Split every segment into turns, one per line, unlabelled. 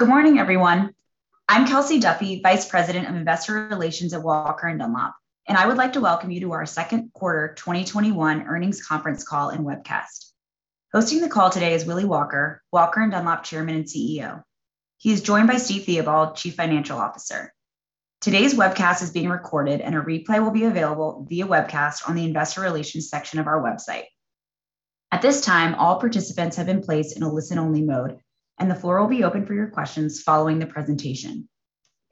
Good morning, everyone. I'm Kelsey Duffey, Vice President of Investor Relations at Walker & Dunlop, and I would like to welcome you to our Q2 2021 earnings conference call and webcast. Hosting the call today is Willy Walker, Walker & Dunlop Chairman and CEO. He is joined by Steve Theobald, Chief Financial Officer. Today's webcast is being recorded and a replay will be available via webcast on the investor relations section of our website. At this time, all participants have been placed in a listen-only mode, and the floor will be open for your questions following the presentation.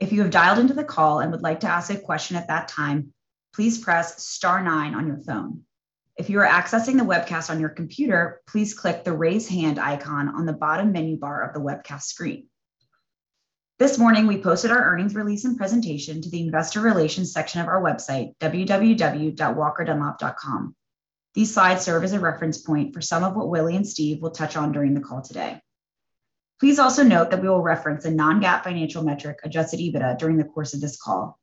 If you have dialed into the call and would like to ask a question at that time, please press star nine on your phone. If you are accessing the webcast on your computer, please click the raise hand icon on the bottom menu bar of the webcast screen. This morning, we posted our earnings release and presentation to the investor relations section of our website, www.walkerdunlop.com. These slides serve as a reference point for some of what Willy Walker and Steve Theobald will touch on during the call today. Please also note that we will reference a non-GAAP financial metric, adjusted EBITDA, during the course of this call.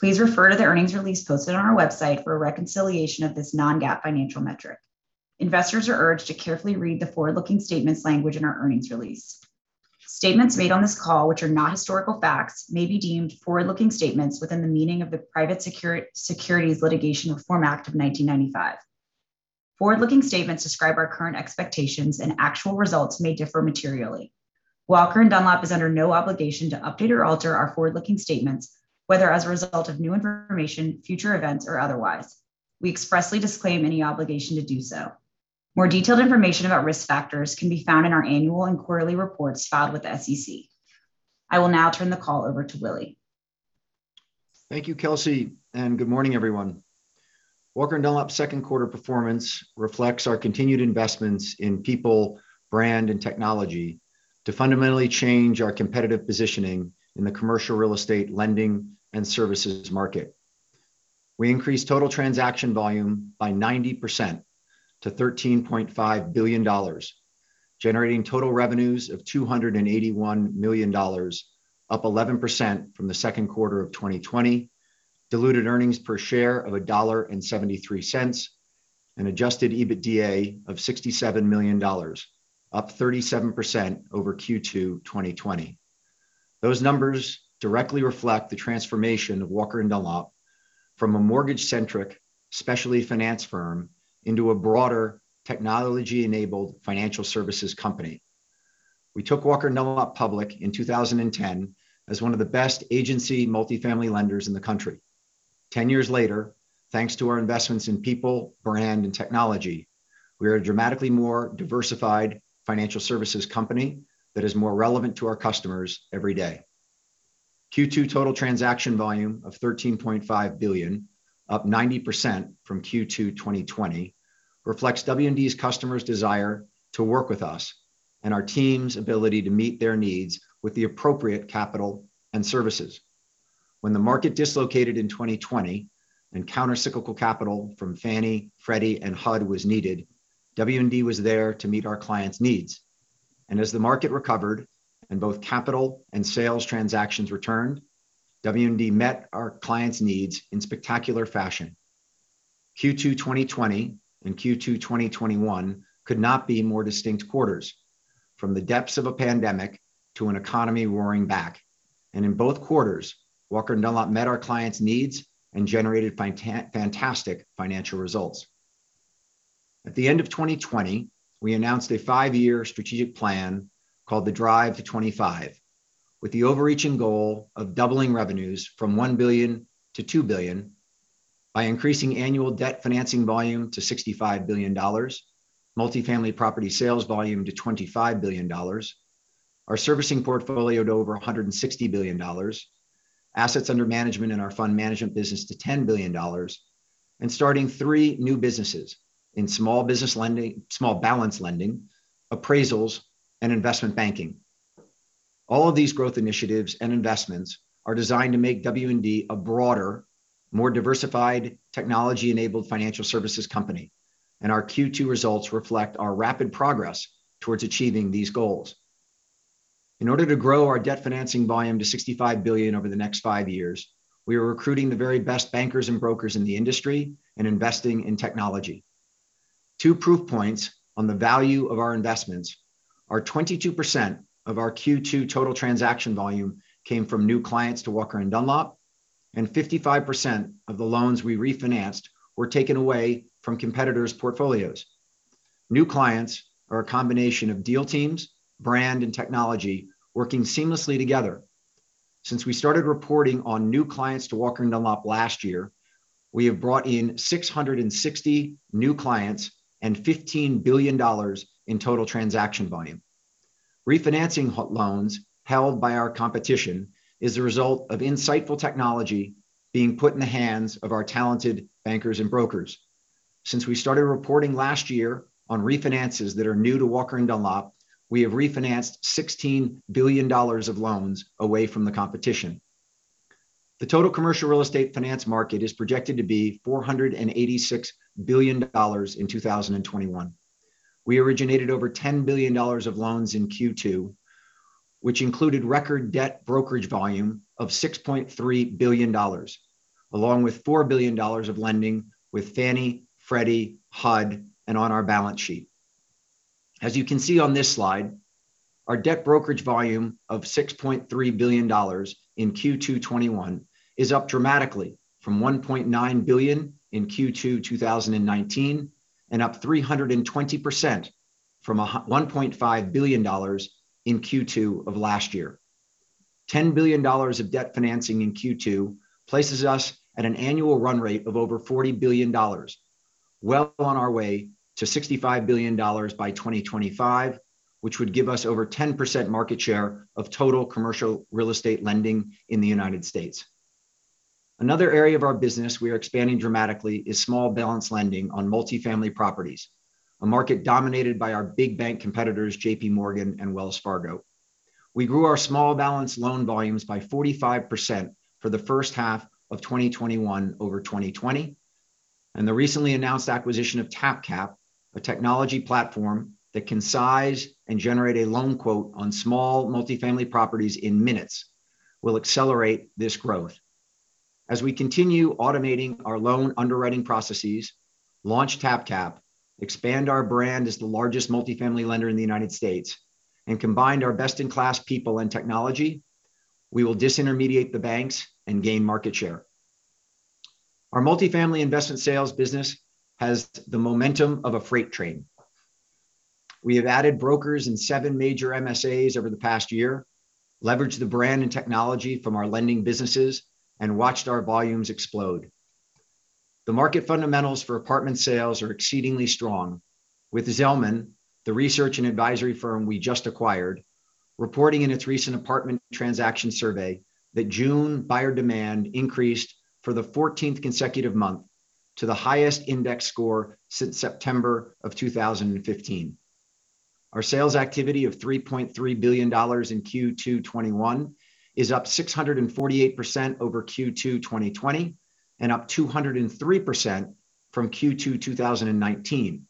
Please refer to the earnings release posted on our website for a reconciliation of this non-GAAP financial metric. Investors are urged to carefully read the forward-looking statements language in our earnings release. Statements made on this call which are not historical facts may be deemed forward-looking statements within the meaning of the Private Securities Litigation Reform Act of 1995. Forward-looking statements describe our current expectations, and actual results may differ materially. Walker & Dunlop is under no obligation to update or alter our forward-looking statements, whether as a result of new information, future events, or otherwise. We expressly disclaim any obligation to do so. More detailed information about risk factors can be found in our annual and quarterly reports filed with the SEC. I will now turn the call over to Willy.
Thank you, Kelsey. Good morning, everyone. Walker & Dunlop's Q2 performance reflects our continued investments in people, brand, and technology to fundamentally change our competitive positioning in the commercial real estate lending and services market. We increased total transaction volume by 90% to $13.5 billion, generating total revenues of $281 million, up 11% from the Q2 of 2020, diluted earnings per share of $1.73, and adjusted EBITDA of $67 million, up 37% over Q2 2020. Those numbers directly reflect the transformation of Walker & Dunlop from a mortgage-centric specialty finance firm into a broader technology-enabled financial services company. We took Walker & Dunlop public in 2010 as one of the best agency multifamily lenders in the country. 10 years later, thanks to our investments in people, brand, and technology, we are a dramatically more diversified financial services company that is more relevant to our customers every day. Q2 total transaction volume of $13.5 billion, up 90% from Q2 2020, reflects W&D's customers' desire to work with us and our team's ability to meet their needs with the appropriate capital and services. When the market dislocated in 2020, and countercyclical capital from Fannie, Freddie, and HUD was needed, W&D was there to meet our clients' needs. As the market recovered and both capital and sales transactions returned, W&D met our clients' needs in spectacular fashion. Q2 2020 and Q2 2021 could not be more distinct quarters. From the depths of a pandemic to an economy roaring back. In both quarters, Walker & Dunlop met our clients' needs and generated fantastic financial results. At the end of 2020, we announced a five-year strategic plan called the Drive to '25, with the overreaching goal of doubling revenues from $1 billion-$2 billion by increasing annual debt financing volume to $65 billion, multifamily property sales volume to $25 billion, our servicing portfolio to over $160 billion, assets under management in our fund management business to $10 billion, and starting three new businesses in small business lending, small balance lending, appraisals, and investment banking. All of these growth initiatives and investments are designed to make W&D a broader, more diversified technology-enabled financial services company. Our Q2 results reflect our rapid progress towards achieving these goals. In order to grow our debt financing volume to $65 billion over the next five years, we are recruiting the very best bankers and brokers in the industry and investing in technology. Two proof points on the value of our investments are 22% of our Q2 total transaction volume came from new clients to Walker & Dunlop, and 55% of the loans we refinanced were taken away from competitors' portfolios. New clients are a combination of deal teams, brand, and technology working seamlessly together. Since we started reporting on new clients to Walker & Dunlop last year, we have brought in 660 new clients and $15 billion in total transaction volume. Refinancing loans held by our competition is the result of insightful technology being put in the hands of our talented bankers and brokers. Since we started reporting last year on refinances that are new to Walker & Dunlop, we have refinanced $16 billion of loans away from the competition. The total commercial real estate finance market is projected to be $486 billion in 2021. We originated over $10 billion of loans in Q2, which included record debt brokerage volume of $6.3 billion, along with $4 billion of lending with Fannie Mae, Freddie Mac, HUD, and on our balance sheet. As you can see on this slide, our debt brokerage volume of $6.3 billion in Q2 2021 is up dramatically from $1.9 billion in Q2 2019, and up 320% from $1.5 billion in Q2 of last year. $10 billion of debt financing in Q2 places us at an annual run rate of over $40 billion, well on our way to $65 billion by 2025, which would give us over 10% market share of total commercial real estate lending in the U.S. Another area of our business we are expanding dramatically is small balance lending on multifamily properties, a market dominated by our big bank competitors, JPMorgan and Wells Fargo. We grew our small balance loan volumes by 45% for the H1 of 2021 over 2020. The recently announced acquisition of TapCap, a technology platform that can size and generate a loan quote on small multifamily properties in minutes, will accelerate this growth. As we continue automating our loan underwriting processes, launch TapCap, expand our brand as the largest multifamily lender in the U.S., and combine our best-in-class people and technology, we will disintermediate the banks and gain market share. Our multifamily investment sales business has the momentum of a freight train. We have added brokers in seven major MSAs over the past year, leveraged the brand and technology from our lending businesses, and watched our volumes explode. The market fundamentals for apartment sales are exceedingly strong. With Zelman, the research and advisory firm we just acquired, reporting in its recent apartment transaction survey that June buyer demand increased for the 14th consecutive month to the highest index score since September of 2015. Our sales activity of $3.3 billion in Q2 2021 is up 648% over Q2 2020, and up 203% from Q2 2019.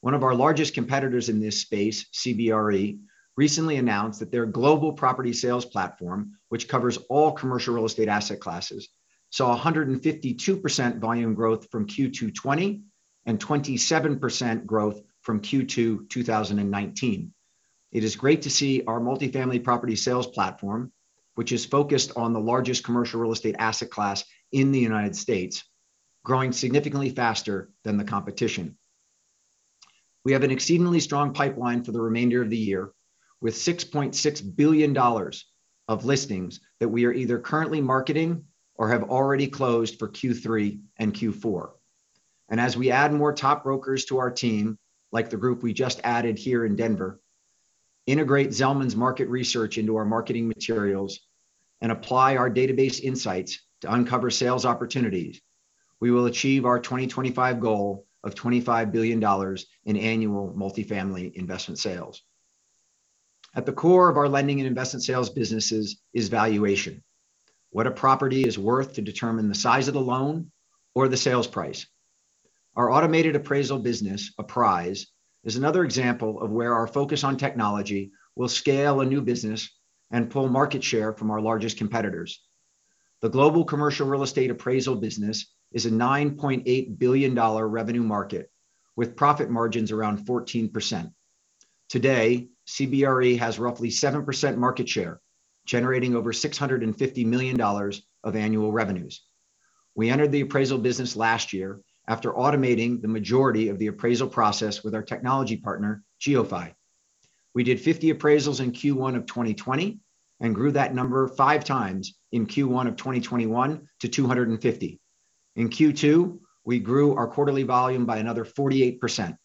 One of our largest competitors in this space, CBRE, recently announced that their global property sales platform, which covers all commercial real estate asset classes, saw 152% volume growth from Q2 2020, and 27% growth from Q2 2019. It is great to see our multifamily property sales platform, which is focused on the largest commercial real estate asset class in the United States, growing significantly faster than the competition. We have an exceedingly strong pipeline for the remainder of the year, with $6.6 billion of listings that we are either currently marketing or have already closed for Q3 and Q4. As we add more top brokers to our team, like the group we just added here in Denver, integrate Zelman's market research into our marketing materials, and apply our database insights to uncover sales opportunities, we will achieve our 2025 goal of $25 billion in annual multifamily investment sales. At the core of our lending and investment sales businesses is valuation. What a property is worth to determine the size of the loan or the sales price. Our automated appraisal business, Apprise, is another example of where our focus on technology will scale a new business and pull market share from our largest competitors. The global commercial real estate appraisal business is a $9.8 billion revenue market with profit margins around 14%. Today, CBRE has roughly 7% market share, generating over $650 million of annual revenues. We entered the appraisal business last year after automating the majority of the appraisal process with our technology partner, GeoPhy. We did 50 appraisals in Q1 of 2020, grew that number 5x in Q1 of 2021 to 250. In Q2, we grew our quarterly volume by another 48%.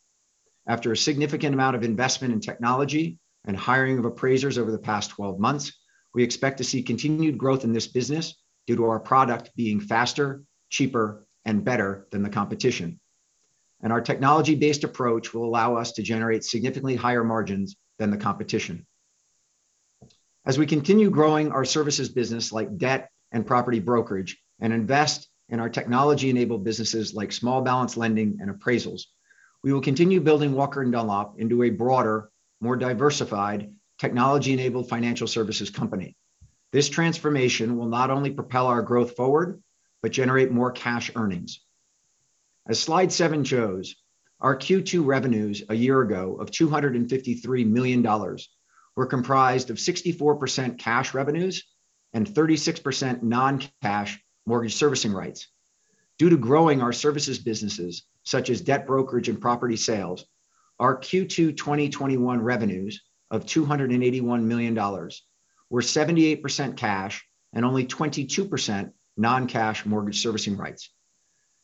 After a significant amount of investment in technology and hiring of appraisers over the past 12 months, we expect to see continued growth in this business due to our product being faster, cheaper, and better than the competition. Our technology-based approach will allow us to generate significantly higher margins than the competition. As we continue growing our services business, like debt and property brokerage, and invest in our technology-enabled businesses like small balance lending and appraisals, we will continue building Walker & Dunlop into a broader, more diversified, technology-enabled financial services company. This transformation will not only propel our growth forward, but generate more cash earnings. As slide seven shows, our Q2 revenues a year ago of $253 million were comprised of 64% cash revenues and 36% non-cash mortgage servicing rights. Due to growing our services businesses, such as debt brokerage and property sales, our Q2 2021 revenues of $281 million were 78% cash and only 22% non-cash mortgage servicing rights.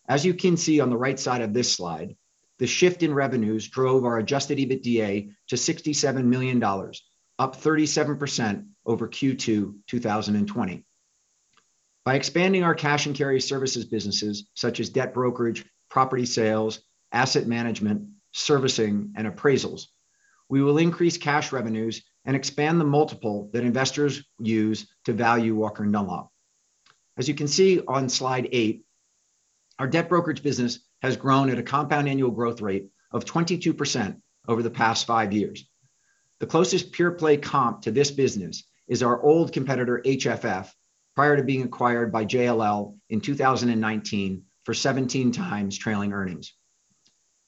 As you can see on the right side of this slide, the shift in revenues drove our adjusted EBITDA to $67 million, up 37% over Q2 2020. By expanding our cash and carry services businesses, such as debt brokerage, property sales, asset management, servicing, and appraisals, we will increase cash revenues and expand the multiple that investors use to value Walker & Dunlop. As you can see on slide eight. Our debt brokerage business has grown at a compound annual growth rate of 22% over the past five years. The closest pure-play comp to this business is our old competitor, HFF, prior to being acquired by JLL in 2019 for 17x trailing earnings.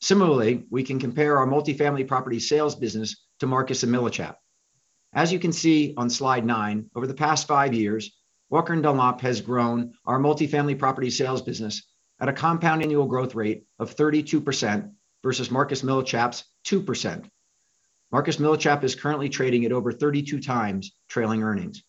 Similarly, we can compare our multifamily property sales business to Marcus & Millichap. As you can see on slide nine, over the past five years, Walker & Dunlop has grown our multifamily property sales business at a compound annual growth rate of 32%, versus Marcus & Millichap's 2%. Marcus & Millichap is currently trading at over 32x trailing earnings.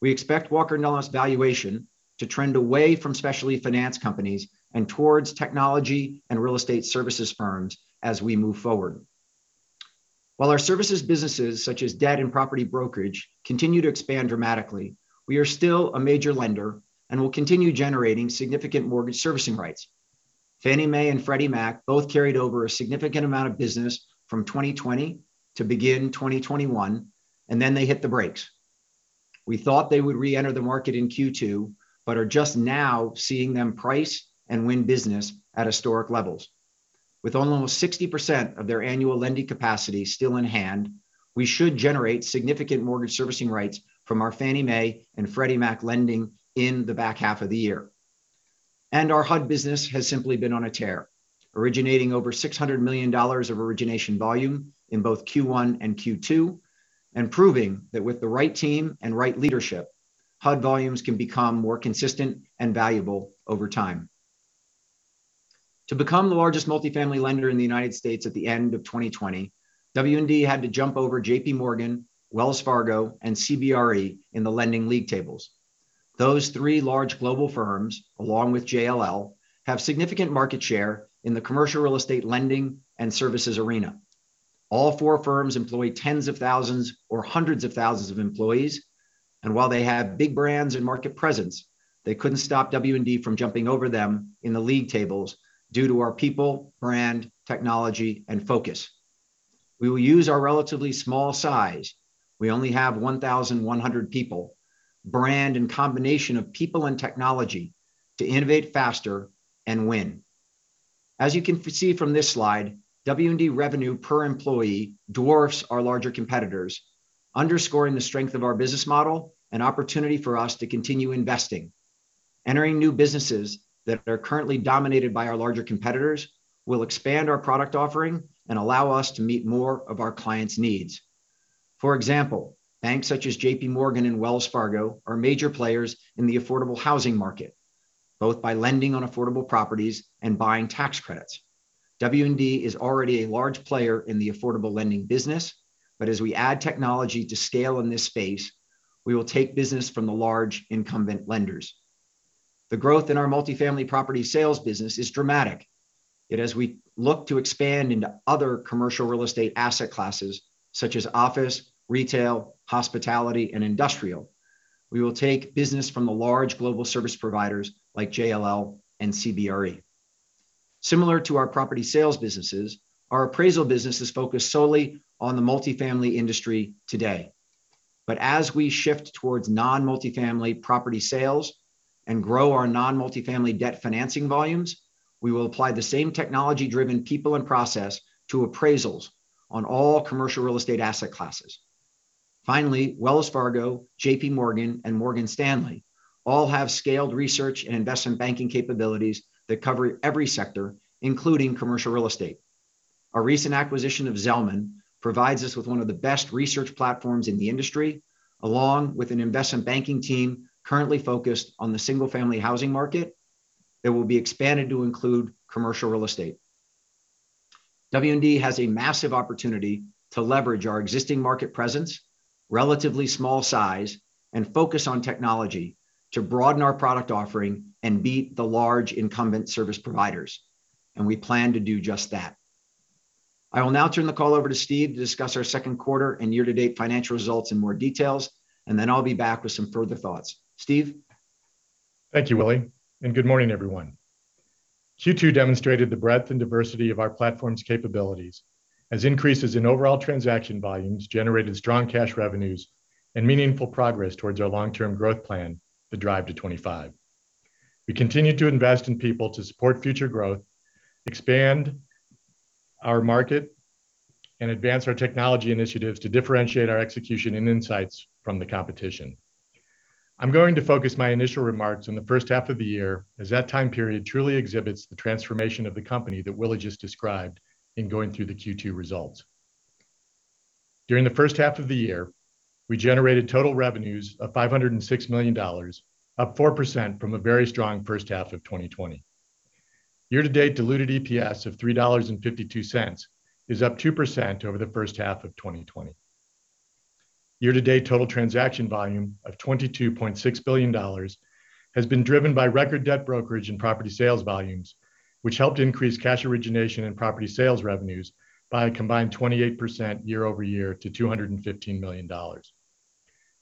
We expect Walker & Dunlop's valuation to trend away from specialty finance companies and towards technology and real estate services firms as we move forward. While our services businesses, such as debt brokerage and property brokerage, continue to expand dramatically, we are still a major lender and will continue generating significant mortgage servicing rights. Fannie Mae and Freddie Mac both carried over a significant amount of business from 2020 to begin 2021, and then they hit the brakes. We thought they would reenter the market in Q2, but are just now seeing them price and win business at historic levels. With almost 60% of their annual lending capacity still in hand, we should generate significant mortgage servicing rights from our Fannie Mae and Freddie Mac lending in the back half of the year. Our HUD business has simply been on a tear, originating over $600 million of origination volume in both Q1 and Q2, and proving that with the right team and right leadership, HUD volumes can become more consistent and valuable over time. To become the largest multifamily lender in the U.S. at the end of 2020, W&D had to jump over JPMorgan, Wells Fargo, and CBRE in the lending league tables. Those three large global firms, along with JLL, have significant market share in the commercial real estate lending and services arena. All four firms employ tens of thousands or hundreds of thousands of employees, and while they have big brands and market presence, they couldn't stop W&D from jumping over them in the league tables due to our people, brand, technology, and focus. We will use our relatively small size, we only have 1,100 people, brand, and combination of people and technology to innovate faster and win. As you can see from this slide, W&D revenue per employee dwarfs our larger competitors, underscoring the strength of our business model and opportunity for us to continue investing. Entering new businesses that are currently dominated by our larger competitors will expand our product offering and allow us to meet more of our clients' needs. For example, banks such as JPMorgan and Wells Fargo are major players in the affordable housing market, both by lending on affordable properties and buying tax credits. W&D is already a large player in the affordable lending business, but as we add technology to scale in this space, we will take business from the large incumbent lenders. The growth in our multifamily property sales business is dramatic, yet as we look to expand into other commercial real estate asset classes such as office, retail, hospitality, and industrial, we will take business from the large global service providers like JLL and CBRE. Similar to our property sales businesses, our appraisal business is focused solely on the multifamily industry today. As we shift towards non-multifamily property sales and grow our non-multifamily debt financing volumes, we will apply the same technology-driven people and process to appraisals on all commercial real estate asset classes. Finally, Wells Fargo, JPMorgan, and Morgan Stanley all have scaled research and investment banking capabilities that cover every sector, including commercial real estate. Our recent acquisition of Zelman provides us with one of the best research platforms in the industry, along with an investment banking team currently focused on the single-family housing market that will be expanded to include commercial real estate. W&D has a massive opportunity to leverage our existing market presence, relatively small size, and focus on technology to broaden our product offering and beat the large incumbent service providers. We plan to do just that. I will now turn the call over to Steve to discuss our Q2 and year-to-date financial results in more details. Then I'll be back with some further thoughts. Steve?
Thank you, Willy, good morning, everyone. Q2 demonstrated the breadth and diversity of our platform's capabilities as increases in overall transaction volumes generated strong cash revenues and meaningful progress towards our long-term growth plan, the Drive to '25. We continue to invest in people to support future growth, expand our market, and advance our technology initiatives to differentiate our execution and insights from the competition. I'm going to focus my initial remarks on the H1 of the year, as that time period truly exhibits the transformation of the company that Willy just described in going through the Q2 results. During the H1 of the year, we generated total revenues of $506 million, up 4% from a very strong first half of 2020. Year-to-date diluted EPS of $3.52 is up 2% over the H1 of 2020. Year-to-date total transaction volume of $22.6 billion has been driven by record debt brokerage and property sales volumes, which helped increase cash origination and property sales revenues by a combined 28% year-over-year to $215 million.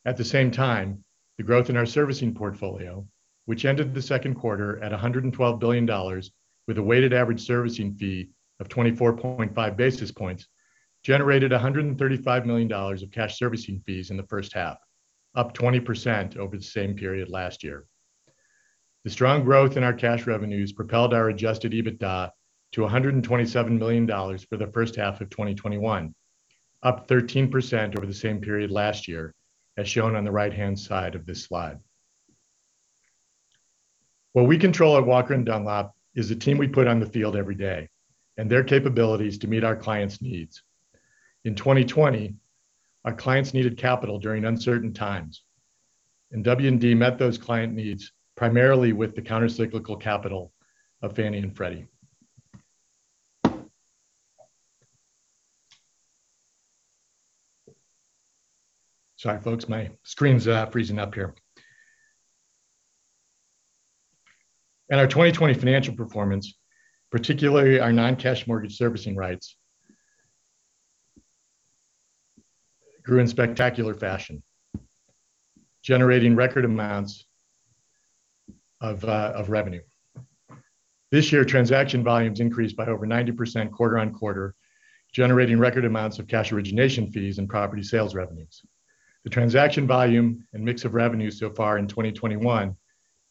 At the same time, the growth in our servicing portfolio, which ended the Q2 at $112 billion with a weighted average servicing fee of 24.5 basis points, generated $135 million of cash servicing fees in the H1, up 20% over the same period last year. The strong growth in our cash revenues propelled our adjusted EBITDA to $127 million for the H1 of 2021, up 13% over the same period last year, as shown on the right-hand side of this slide. What we control at Walker & Dunlop is the team we put on the field every day, and their capabilities to meet our clients' needs. In 2020, our clients needed capital during uncertain times, and W&D met those client needs primarily with the counter-cyclical capital of Fannie and Freddie. Sorry, folks. My screen's freezing up here. Our 2020 financial performance, particularly our non-cash mortgage servicing rights, grew in spectacular fashion, generating record amounts of revenue. This year, transaction volumes increased by over 90% quarter-on-quarter, generating record amounts of cash origination fees and property sales revenues. The transaction volume and mix of revenues so far in 2021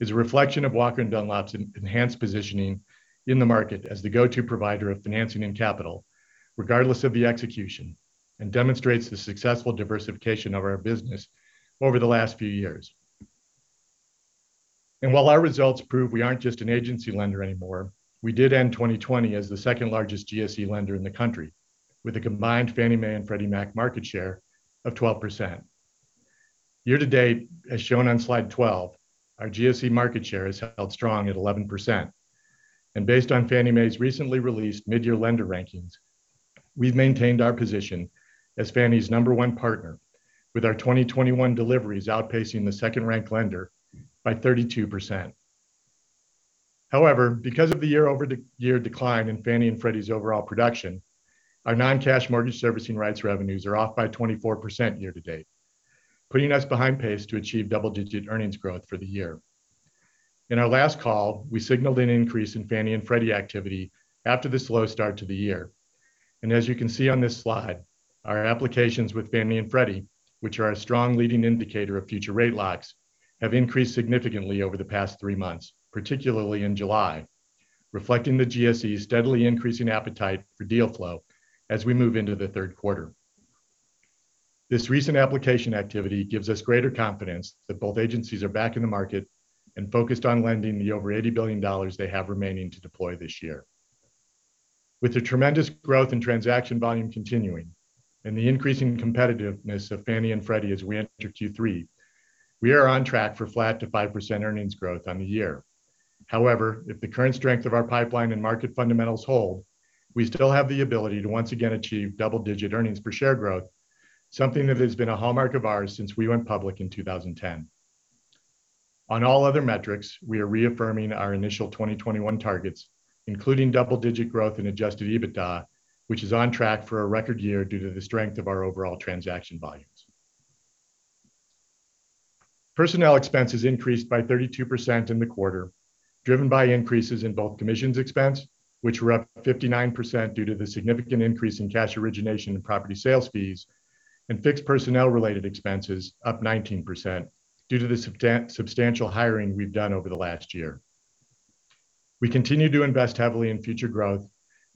is a reflection of Walker & Dunlop's enhanced positioning in the market as the go-to provider of financing and capital, regardless of the execution, and demonstrates the successful diversification of our business over the last few years. While our results prove we aren't just an agency lender anymore, we did end 2020 as the second largest GSE lender in the country, with a combined Fannie Mae and Freddie Mac market share of 12%. Year-to-date, as shown on slide 12, our GSE market share has held strong at 11%. Based on Fannie Mae's recently released mid-year lender rankings, we've maintained our position as Fannie's number one partner, with our 2021 deliveries outpacing the second-rank lender by 32%. However, because of the year-over-year decline in Fannie and Freddie's overall production, our non-cash mortgage servicing rights revenues are off by 24% year-to-date, putting us behind pace to achieve double-digit earnings growth for the year. In our last call, we signaled an increase in Fannie and Freddie activity after the slow start to the year. As you can see on this slide, our applications with Fannie and Freddie, which are a strong leading indicator of future rate locks, have increased significantly over the past three months, particularly in July, reflecting the GSEs steadily increasing appetite for deal flow as we move into the Q3. This recent application activity gives us greater confidence that both agencies are back in the market and focused on lending the over $80 billion they have remaining to deploy this year. With the tremendous growth in transaction volume continuing and the increasing competitiveness of Fannie and Freddie as we enter Q3, we are on track for flat 5% earnings growth on the year. However, if the current strength of our pipeline and market fundamentals hold, we still have the ability to once again achieve double-digit earnings per share growth. Something that has been a hallmark of ours since we went public in 2010. On all other metrics, we are reaffirming our initial 2021 targets, including double-digit growth in adjusted EBITDA, which is on track for a record year due to the strength of our overall transaction volumes. Personnel expenses increased by 32% in the quarter, driven by increases in both commissions expense, which were up 59% due to the significant increase in cash origination and property sales fees, and fixed personnel-related expenses up 19% due to the substantial hiring we've done over the last year. We continue to invest heavily in future growth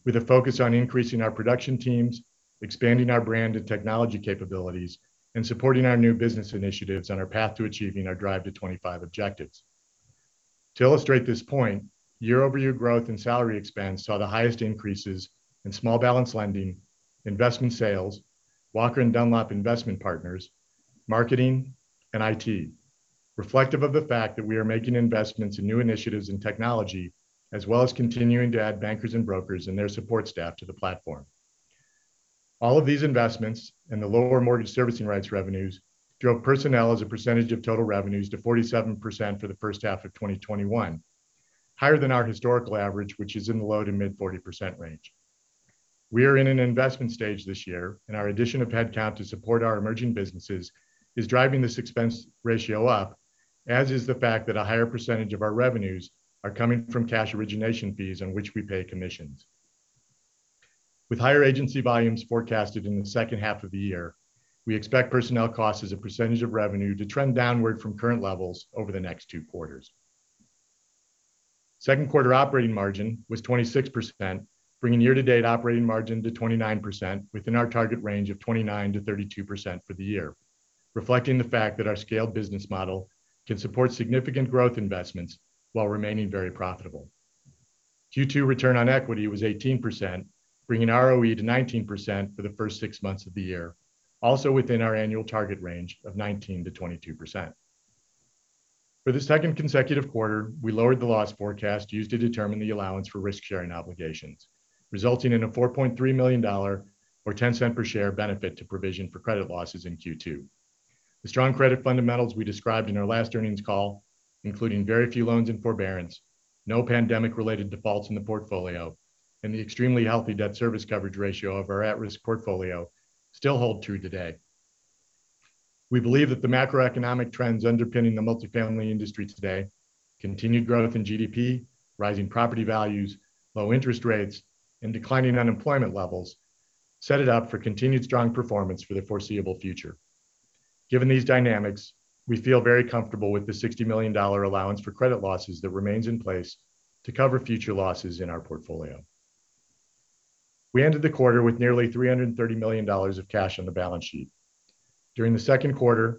with a focus on increasing our production teams, expanding our brand and technology capabilities, and supporting our new business initiatives on our path to achieving our Drive to '25 objectives. To illustrate this point, year-over-year growth in salary expense saw the highest increases in small balance lending, investment sales, Walker & Dunlop Investment Partners, marketing, and IT, reflective of the fact that we are making investments in new initiatives in technology, as well as continuing to add bankers and brokers and their support staff to the platform. All of these investments and the lower mortgage servicing rights revenues drove personnel as a percentage of total revenues to 47% for the H1 of 2021, higher than our historical average, which is in the low to mid 40% range. We are in an investment stage this year, and our addition of headcount to support our emerging businesses is driving this expense ratio up, as is the fact that a higher percentage of our revenues are coming from cash origination fees on which we pay commissions. With higher agency volumes forecasted in the H2 of the year, we expect personnel costs as a percentage of revenue to trend downward from current levels over the next two quarters. Q2 operating margin was 26%, bringing year-to-date operating margin to 29%, within our target range of 29%-32% for the year, reflecting the fact that our scaled business model can support significant growth investments while remaining very profitable. Q2 return on equity was 18%, bringing ROE to 19% for the first six months of the year, also within our annual target range of 19%-22%. For the second consecutive quarter, we lowered the loss forecast used to determine the allowance for risk-sharing obligations, resulting in a $4.3 million or $0.10 per share benefit to provision for credit losses in Q2. The strong credit fundamentals we described in our last earnings call, including very few loans in forbearance, no pandemic-related defaults in the portfolio, and the extremely healthy debt service coverage ratio of our at-risk portfolio still hold true today. We believe that the macroeconomic trends underpinning the multifamily industry today, continued growth in GDP, rising property values, low interest rates, and declining unemployment levels set it up for continued strong performance for the foreseeable future. Given these dynamics, we feel very comfortable with the $60 million allowance for credit losses that remains in place to cover future losses in our portfolio. We ended the quarter with nearly $330 million of cash on the balance sheet. During the Q2,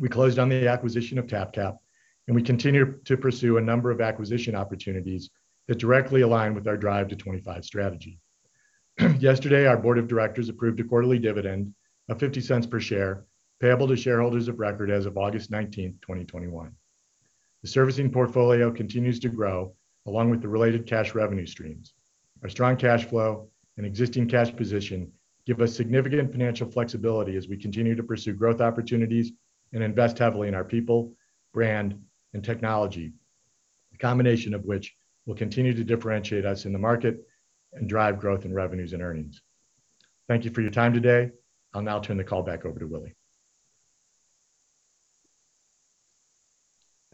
we closed on the acquisition of TapCap, and we continue to pursue a number of acquisition opportunities that directly align with our Drive to '25 strategy. Yesterday, our board of directors approved a quarterly dividend of $0.50 per share, payable to shareholders of record as of August 19th, 2021. The servicing portfolio continues to grow along with the related cash revenue streams. Our strong cash flow and existing cash position give us significant financial flexibility as we continue to pursue growth opportunities and invest heavily in our people, brand, and technology. The combination of which will continue to differentiate us in the market and drive growth in revenues and earnings. Thank you for your time today. I'll now turn the call back over to Willy.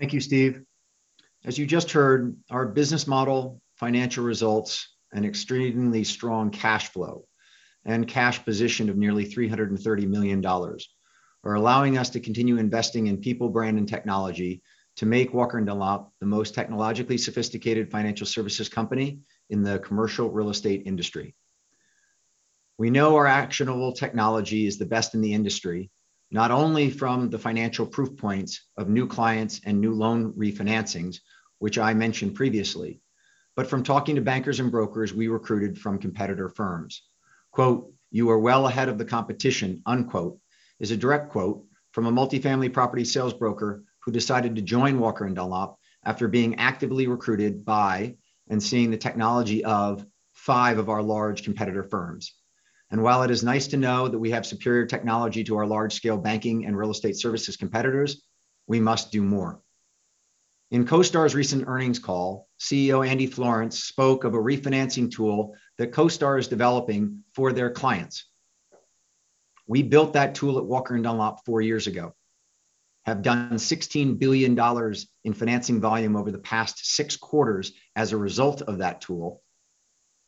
Thank you, Steve. As you just heard, our business model, financial results, and extremely strong cash flow and cash position of nearly $330 million are allowing us to continue investing in people, brand, and technology to make Walker & Dunlop the most technologically sophisticated financial services company in the commercial real estate industry. We know our actionable technology is the best in the industry, not only from the financial proof points of new clients and new loan refinancings, which I mentioned previously, but from talking to bankers and brokers we recruited from competitor firms. "You are well ahead of the competition," is a direct quote from a multifamily property sales broker who decided to join Walker & Dunlop after being actively recruited by and seeing the technology of five of our large competitor firms. While it is nice to know that we have superior technology to our large-scale banking and real estate services competitors, we must do more. In CoStar's recent earnings call, CEO Andy Florance spoke of a refinancing tool that CoStar is developing for their clients. We built that tool at Walker & Dunlop four years ago, have done $16 billion in financing volume over the past six quarters as a result of that tool,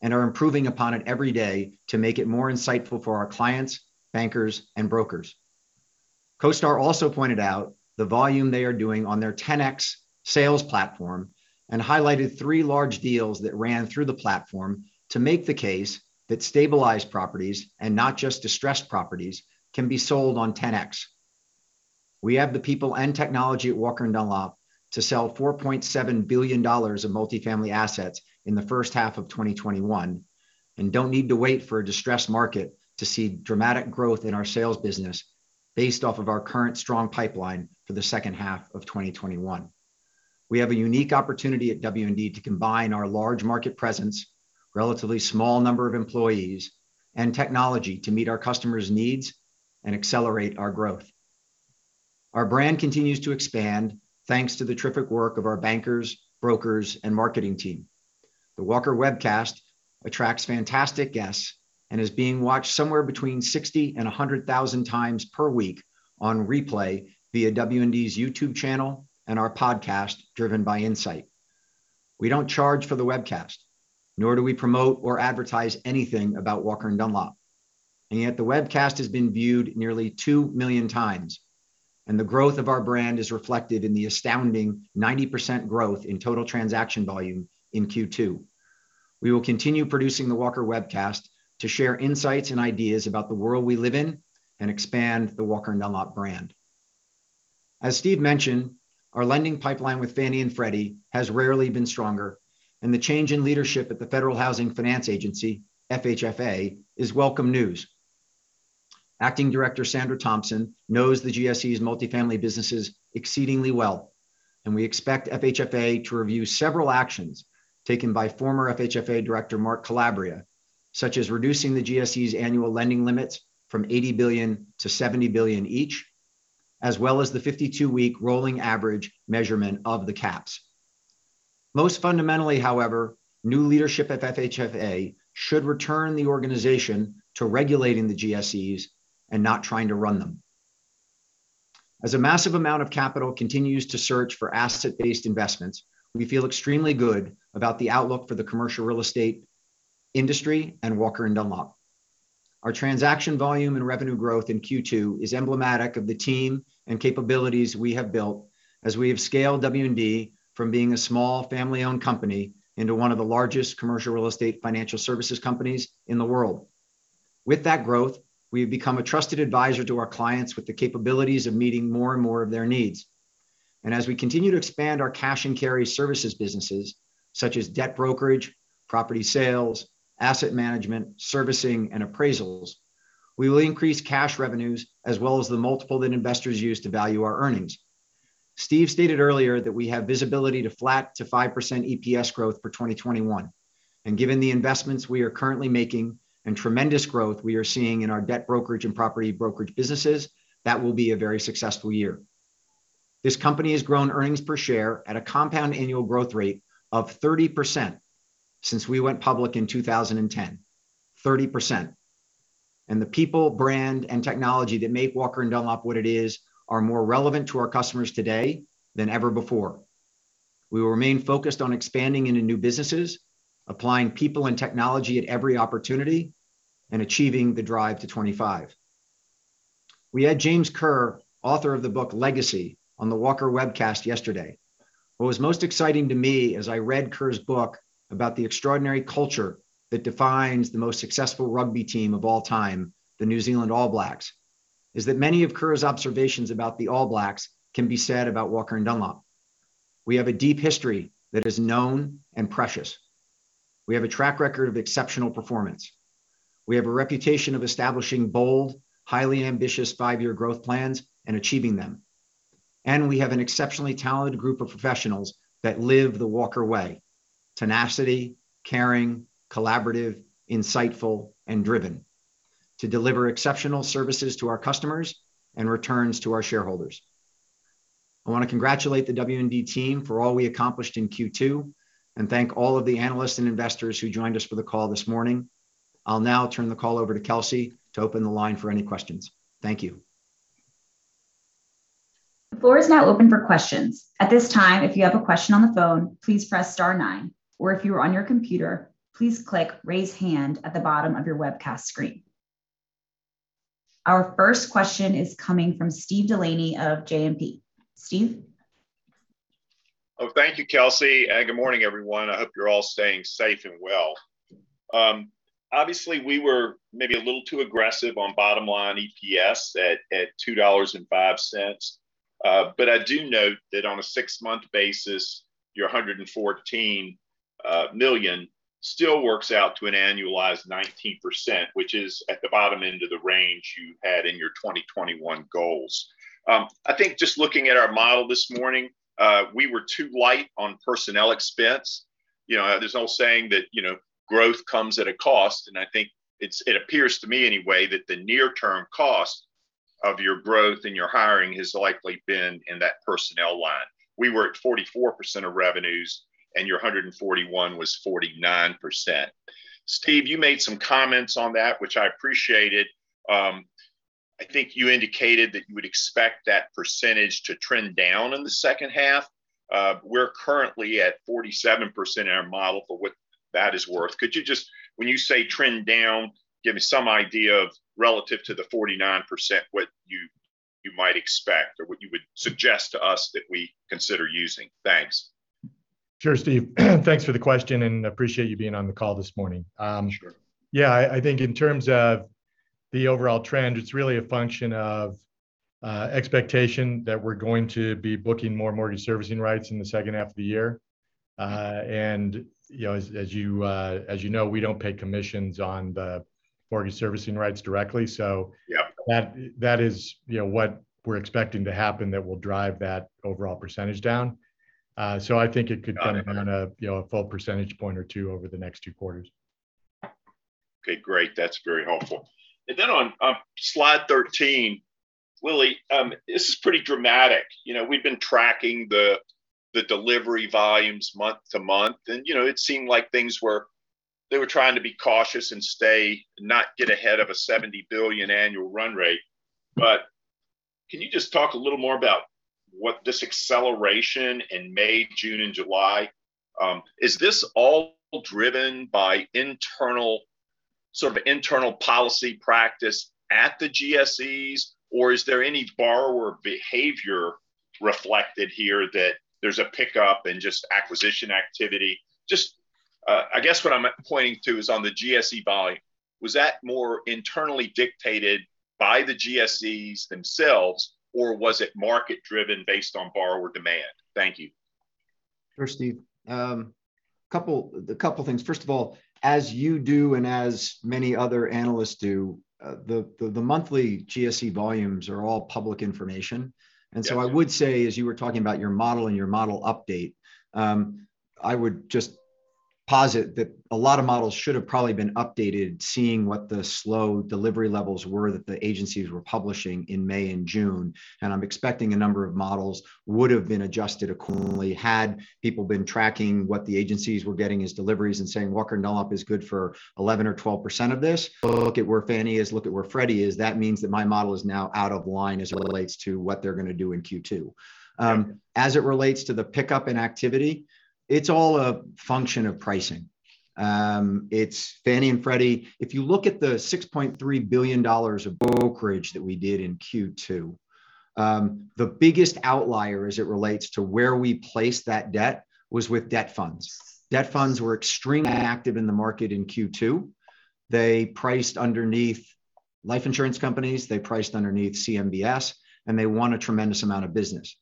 and are improving upon it every day to make it more insightful for our clients, bankers, and brokers. CoStar also pointed out the volume they are doing on their Ten-X sales platform and highlighted three large deals that ran through the platform to make the case that stabilized properties, and not just distressed properties, can be sold on Ten-X. We have the people and technology at Walker & Dunlop to sell $4.7 billion of multifamily assets in the H1 of 2021, and don't need to wait for a distressed market to see dramatic growth in our sales business based off of our current strong pipeline for the H2 of 2021. We have a unique opportunity at W&D to combine our large market presence, relatively small number of employees, and technology to meet our customers' needs and accelerate our growth. Our brand continues to expand thanks to the terrific work of our bankers, brokers, and marketing team. The Walker Webcast attracts fantastic guests and is being watched somewhere between 60 and 100,000 times per week on replay via W&D's YouTube channel and our podcast, "Driven by Insight." We don't charge for the webcast, nor do we promote or advertise anything about Walker & Dunlop. Yet the webcast has been viewed nearly two million times, the growth of our brand is reflected in the astounding 90% growth in total transaction volume in Q2. We will continue producing the Walker Webcast to share insights and ideas about the world we live in and expand the Walker & Dunlop brand. As Steve mentioned, our lending pipeline with Fannie and Freddie has rarely been stronger, the change in leadership at the Federal Housing Finance Agency, FHFA, is welcome news. Acting Director Sandra Thompson knows the GSE's multifamily businesses exceedingly well, we expect FHFA to review several actions taken by former FHFA Director Mark Calabria, such as reducing the GSE's annual lending limits from $80 billion-$70 billion each, as well as the 52-week rolling average measurement of the caps. Most fundamentally, however, new leadership at FHFA should return the organization to regulating the GSEs and not trying to run them. As a massive amount of capital continues to search for asset-based investments, we feel extremely good about the outlook for the commercial real estate industry and Walker & Dunlop. Our transaction volume and revenue growth in Q2 is emblematic of the team and capabilities we have built as we have scaled W&D from being a small family-owned company into one of the largest commercial real estate financial services companies in the world. With that growth, we have become a trusted advisor to our clients with the capabilities of meeting more and more of their needs. As we continue to expand our cash and carry services businesses such as debt brokerage, property sales, asset management, servicing, and appraisals, we will increase cash revenues as well as the multiple that investors use to value our earnings. Steve stated earlier that we have visibility to flat to 5% EPS growth for 2021. Given the investments we are currently making and tremendous growth we are seeing in our debt brokerage and property brokerage businesses, that will be a very successful year. This company has grown earnings per share at a compound annual growth rate of 30% since we went public in 2010. 30%. The people, brand, and technology that make Walker & Dunlop what it is are more relevant to our customers today than ever before. We will remain focused on expanding into new businesses, applying people and technology at every opportunity, and achieving the Drive to '25. We had James Kerr, author of the book "Legacy," on the Walker Webcast yesterday. What was most exciting to me as I read Kerr's book about the extraordinary culture that defines the most successful rugby team of all time, the New Zealand All Blacks, is that many of Kerr's observations about the All Blacks can be said about Walker & Dunlop. We have a deep history that is known and precious. We have a track record of exceptional performance. We have a reputation of establishing bold, highly ambitious five-year growth plans and achieving them. We have an exceptionally talented group of professionals that live the Walker way: tenacity, caring, collaborative, insightful, and driven to deliver exceptional services to our customers and returns to our shareholders. I want to congratulate the W&D team for all we accomplished in Q2 and thank all of the analysts and investors who joined us for the call this morning. I'll now turn the call over to Kelsey to open the line for any questions. Thank you.
The floor is now open for questions. At this time, if you have a question on the phone, please press star nine, or if you are on your computer, please click Raise Hand at the bottom of your webcast screen. Our first question is coming from Steve Delaney of JMP. Steve?
Thank you, Kelsey, good morning, everyone. I hope you're all staying safe and well. Obviously, we were maybe a little too aggressive on bottom-line EPS at $2.05. I do note that on a six-month basis, your $114 million still works out to an annualized 19%, which is at the bottom end of the range you had in your 2021 goals. I think just looking at our model this morning, we were too light on personnel expense. There's an old saying that growth comes at a cost. I think it appears to me anyway that the near-term cost of your growth and your hiring has likely been in that personnel line. We were at 44% of revenues. Your 141 was 49%. Steve, you made some comments on that, which I appreciated. I think you indicated that you would expect that percentage to trend down in the H2. We're currently at 47% in our model, for what that is worth. When you say trend down, give me some idea of relative to the 49% what you might expect or what you would suggest to us that we consider using. Thanks.
Sure, Steve. Thanks for the question. Appreciate you being on the call this morning.
Sure.
Yeah, I think in terms of the overall trend, it's really a function of expectation that we're going to be booking more mortgage servicing rights in the H2 of the year. As you know, we don't pay commissions on the mortgage servicing rights directly.
Yep.
That is what we're expecting to happen that will drive that overall percentage down.
Got it.
So I think it could come in a full percentage point or two over the next two quarters.
Okay, great. That's very helpful. On slide 13, Willy, this is pretty dramatic. We've been tracking the delivery volumes month-to-month, and it seemed like they were trying to be cautious and not get ahead of a $70 billion annual run rate. Can you just talk a little more about what this acceleration in May, June, and July, is this all driven by sort of internal policy practice at the GSEs, or is there any borrower behavior reflected here that there's a pickup in just acquisition activity? Just, I guess what I'm pointing to is on the GSE volume. Was that more internally dictated by the GSEs themselves, or was it market driven based on borrower demand? Thank you.
Sure, Steve. A couple things. First of all, as you do and as many other analysts do, the monthly GSE volumes are all public information.
Yes.
I would say, as you were talking about your model and your model update, I would just posit that a lot of models should have probably been updated, seeing what the slow delivery levels were that the agencies were publishing in May and June. I'm expecting a number of models would've been adjusted accordingly had people been tracking what the agencies were getting as deliveries and saying, "Walker & Dunlop is good for 11% or 12% of this. Look at where Fannie is. Look at where Freddie is. That means that my model is now out of line as it relates to what they're going to do in Q2.
Right.
As it relates to the pickup in activity, it's all a function of pricing. It's Fannie and Freddie. If you look at the $6.3 billion of brokerage that we did in Q2, the biggest outlier as it relates to where we placed that debt was with debt funds. Debt funds were extremely active in the market in Q2. They priced underneath life insurance companies, they priced underneath CMBS, and they won a tremendous amount of business.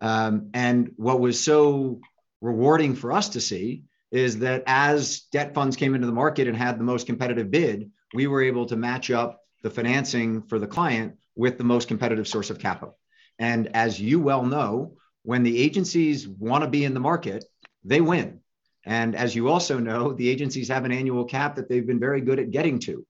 What was so rewarding for us to see is that as debt funds came into the market and had the most competitive bid, we were able to match up the financing for the client with the most competitive source of capital. As you well know, when the agencies want to be in the market, they win. As you also know, the agencies have an annual cap that they've been very good at getting to.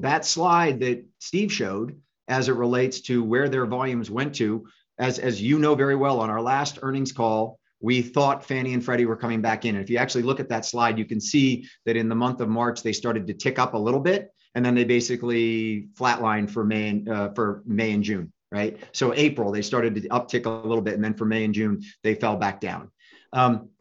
That slide that Steve showed as it relates to where their volumes went to, as you know very well on our last earnings call, we thought Fannie and Freddie were coming back in. If you actually look at that slide, you can see that in the month of March, they started to tick up a little bit, and then they basically flat-lined for May and June. Right? April, they started to uptick a little bit, and then for May and June, they fell back down.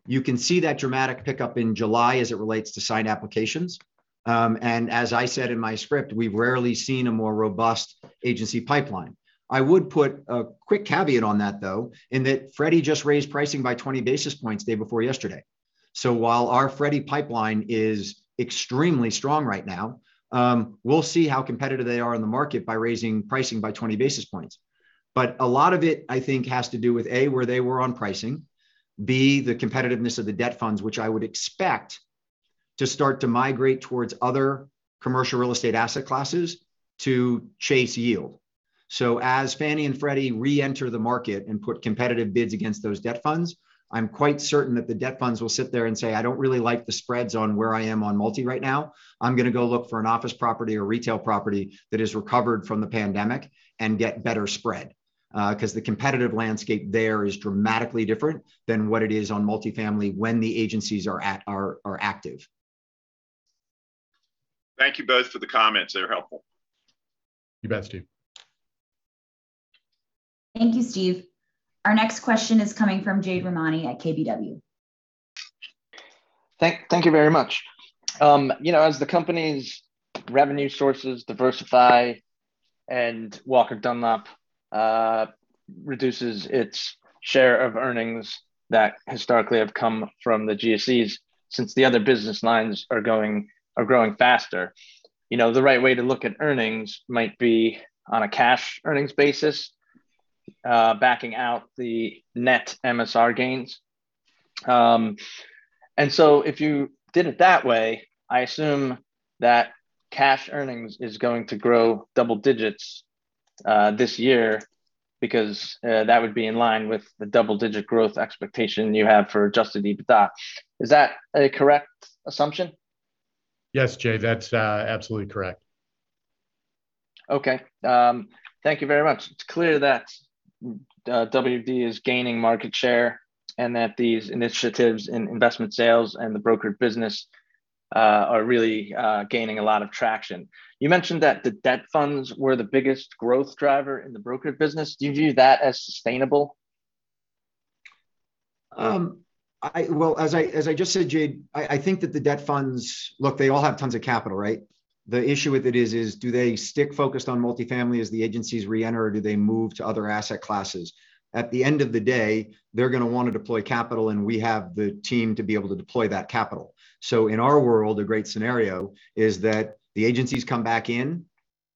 You can see that dramatic pickup in July as it relates to signed applications. As I said in my script, we've rarely seen a more robust agency pipeline. I would put a quick caveat on that, though, in that Freddie just raised pricing by 20 basis points day before yesterday. While our Freddie pipeline is extremely strong right now, we'll see how competitive they are in the market by raising pricing by 20 basis points. A lot of it, I think, has to do with, A, where they were on pricing, B, the competitiveness of the debt funds, which I would expect to start to migrate towards other commercial real estate asset classes to chase yield. As Fannie and Freddie re-enter the market and put competitive bids against those debt funds, I'm quite certain that the debt funds will sit there and say, "I don't really like the spreads on where I am on multi right now. I'm going to go look for an office property or retail property that has recovered from the pandemic and get better spread." Because the competitive landscape there is dramatically different than what it is on multifamily when the agencies are active.
Thank you both for the comments. They were helpful.
You bet, Steve.
Thank you, Steve. Our next question is coming from Jade Rahmani at KBW.
Thank you very much. As the company's revenue sources diversify and Walker & Dunlop reduces its share of earnings that historically have come from the GSEs, since the other business lines are growing faster, the right way to look at earnings might be on a cash earnings basis, backing out the net MSR gains. If you did it that way, I assume that cash earnings is going to grow double-digits this year because that would be in line with the double-digit growth expectation you have for adjusted EBITDA. Is that a correct assumption?
Yes, Jade, that's absolutely correct.
Okay. Thank you very much. It's clear that W&D is gaining market share and that these initiatives in investment sales and the brokered business are really gaining a lot of traction. You mentioned that the debt funds were the biggest growth driver in the brokered business. Do you view that as sustainable?
As I just said, Jay, I think that the debt funds, look, they all have tons of capital, right? The issue with it is do they stick focused on multifamily as the agencies re-enter, or do they move to other asset classes? At the end of the day, they're going to want to deploy capital, and we have the team to be able to deploy that capital. In our world, a great scenario is that the agencies come back in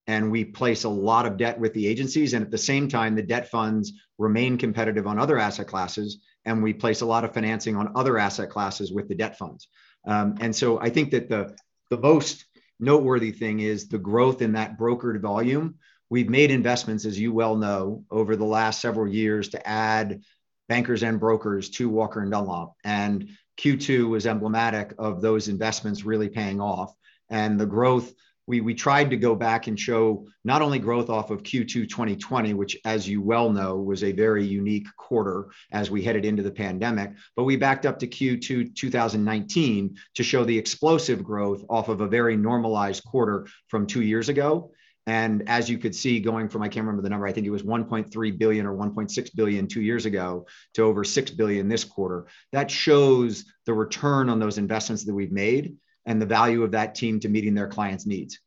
and we place a lot of debt with the agencies, and at the same time, the debt funds remain competitive on other asset classes, and we place a lot of financing on other asset classes with the debt funds. I think that the most noteworthy thing is the growth in that brokered volume. We've made investments, as you well know, over the last several years to add bankers and brokers to Walker & Dunlop. Q2 was emblematic of those investments really paying off. The growth, we tried to go back and show not only growth off of Q2 2020, which as you well know, was a very unique quarter as we headed into the pandemic, but we backed up to Q2 2019 to show the explosive growth off of a very normalized quarter from two years ago. As you could see, going from, I can't remember the number, I think it was $1.3 billion or $1.6 billion two years ago to over $6 billion this quarter. That shows the return on those investments that we've made and the value of that team to meeting their clients' needs.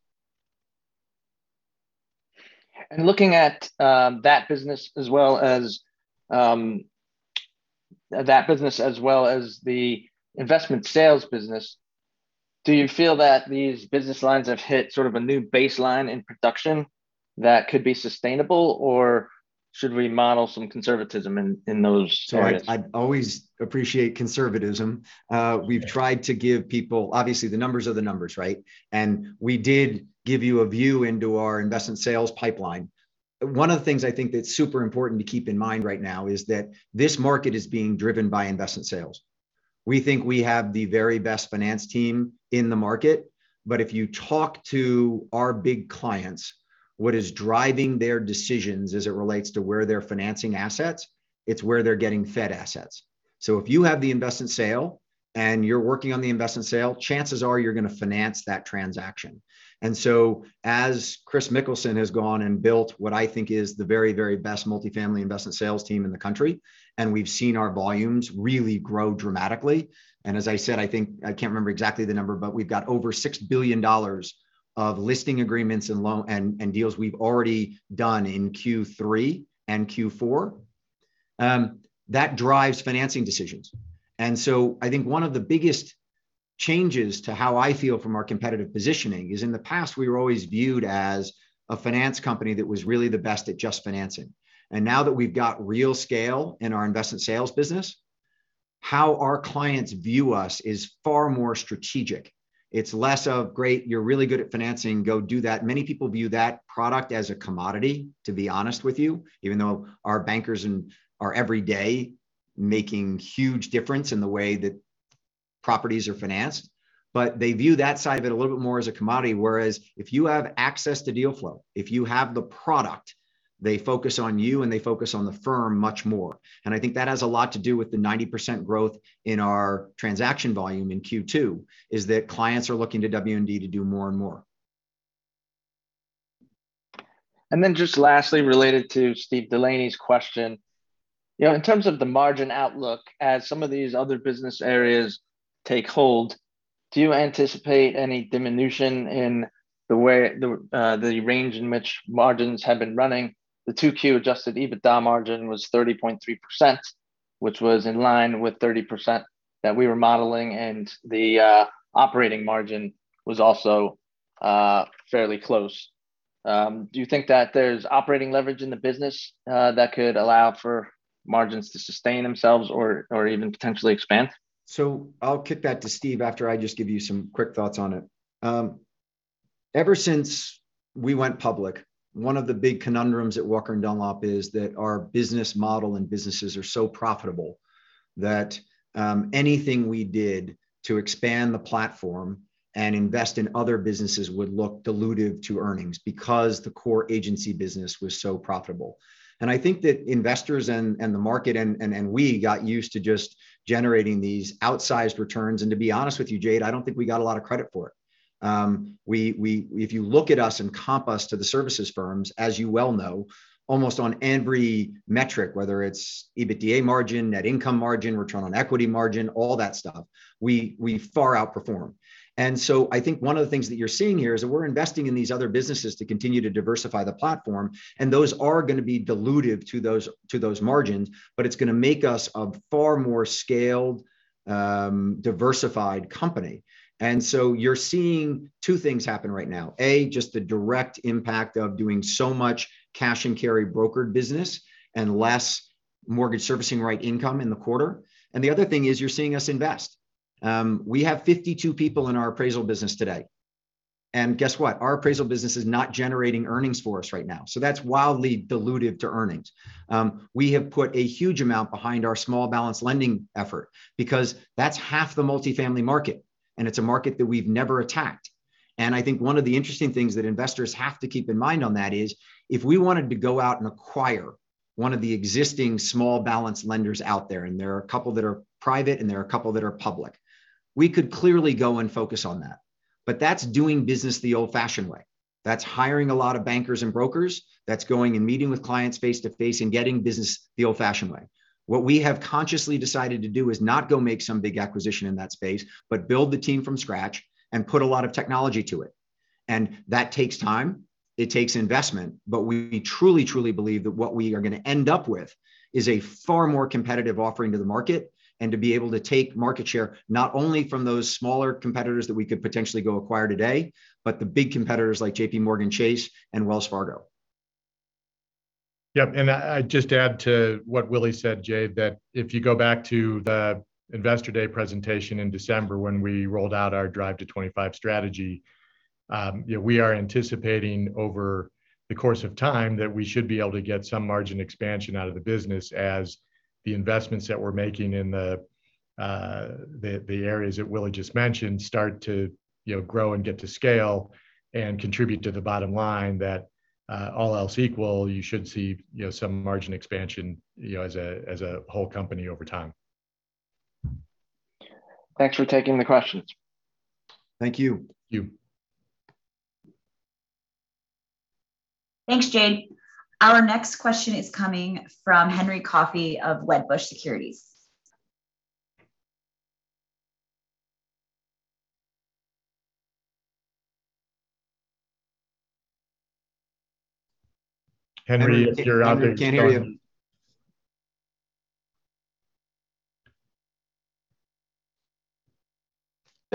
Looking at that business as well as the investment sales business, do you feel that these business lines have hit sort of a new baseline in production that could be sustainable, or should we model some conservatism in those areas?
I always appreciate conservatism. We've tried to give people, obviously the numbers are the numbers, right? We did give you a view into our investment sales pipeline. One of the things I think that's super important to keep in mind right now is that this market is being driven by investment sales. We think we have the very best finance team in the market, but if you talk to our big clients, what is driving their decisions as it relates to where they're financing assets, it's where they're getting fed assets. If you have the investment sale and you're working on the investment sale, chances are you're going to finance that transaction. As Kris Mikkelsen has gone and built what I think is the very, very best multifamily investment sales team in the country, and we've seen our volumes really grow dramatically, and as I said, I can't remember exactly the number, but we've got over $6 billion of listing agreements and deals we've already done in Q3 and Q4. That drives financing decisions. I think one of the biggest changes to how I feel from our competitive positioning is in the past, we were always viewed as a finance company that was really the best at just financing. Now that we've got real scale in our investment sales business, how our clients view us is far more strategic. It's less of, "Great, you're really good at financing. Go do that." Many people view that product as a commodity, to be honest with you, even though our bankers are every day making huge difference in the way that properties are financed. They view that side of it a little bit more as a commodity, whereas if you have access to deal flow, if you have the product, they focus on you and they focus on the firm much more. I think that has a lot to do with the 90% growth in our transaction volume in Q2, is that clients are looking to W&D to do more and more.
Just lastly, related to Steve Delaney's question, in terms of the margin outlook, as some of these other business areas take hold, do you anticipate any diminution in the range in which margins have been running? The Q2 adjusted EBITDA margin was 30.3%, which was in line with 30% that we were modeling, and the operating margin was also fairly close. Do you think that there's operating leverage in the business that could allow for margins to sustain themselves or even potentially expand?
I'll kick that to Steve after I just give you some quick thoughts on it. Ever since we went public, one of the big conundrums at Walker & Dunlop is that our business model and businesses are so profitable that anything we did to expand the platform and invest in other businesses would look dilutive to earnings because the core agency business was so profitable. I think that investors and the market and we got used to just generating these outsized returns, and to be honest with you, Jade, I don't think we got a lot of credit for it. If you look at us and comp us to the services firms, as you well know, almost on every metric, whether it's EBITDA margin, net income margin, return on equity margin, all that stuff, we far outperform. I think one of the things that you're seeing here is that we're investing in these other businesses to continue to diversify the platform, and those are going to be dilutive to those margins, but it's going to make us a far more scaled, diversified company. You're seeing two things happen right now. A. Just the direct impact of doing so much cash and carry brokered business and less mortgage servicing rights income in the quarter. The other thing is you're seeing us invest. We have 52 people in our appraisal business today. Guess what? Our appraisal business is not generating earnings for us right now. That's wildly dilutive to earnings. We have put a huge amount behind our small balance lending effort because that's half the multifamily market, and it's a market that we've never attacked. I think one of the interesting things that investors have to keep in mind on that is if we wanted to go out and acquire one of the existing small balance lenders out there, and there are a couple that are private and there are a couple that are public, we could clearly go and focus on that. That's doing business the old-fashioned way. That's hiring a lot of bankers and brokers. That's going and meeting with clients face to face and getting business the old-fashioned way. What we have consciously decided to do is not go make some big acquisition in that space, but build the team from scratch and put a lot of technology to it. That takes time. It takes investment. We truly believe that what we are going to end up with is a far more competitive offering to the market and to be able to take market share not only from those smaller competitors that we could potentially go acquire today, but the big competitors like JPMorgan Chase and Wells Fargo.
Yep. I'd just add to what Willy said, Jade, that if you go back to the Investor Day presentation in December when we rolled out our Drive to 25 strategy, we are anticipating over the course of time that we should be able to get some margin expansion out of the business as the investments that we're making in the areas that Willy just mentioned start to grow and get to scale and contribute to the bottom line that all else equal, you should see some margin expansion as a whole company over time.
Thanks for taking the questions.
Thank you.
Thank you.
Thanks, Jade. Our next question is coming from Henry Coffey of Wedbush Securities.
Henry, if you're out there.
Henry, we can't hear you